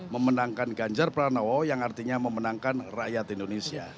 memenangkan ganjar pranowo yang artinya memenangkan rakyat indonesia